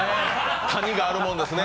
谷があるもんですね。